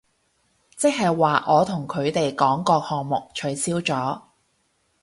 即係話我同佢哋講個項目取消咗